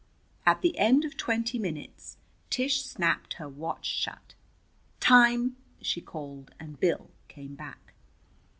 At the end of twenty minutes Tish snapped her watch shut. "Time!" she called, and Bill came back.